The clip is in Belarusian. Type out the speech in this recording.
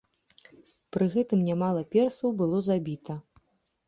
Пры гэтым нямала персаў было забіта.